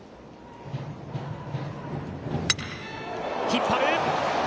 引っ張る！